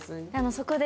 そこで。